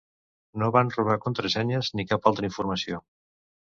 No van robar contrasenyes ni cap altra informació.